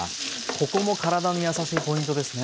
ここも体にやさしいポイントですね。